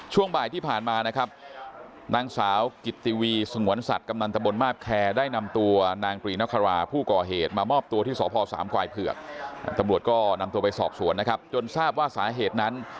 ช่วงบ่ายที่ผ่านมานางสาวกิต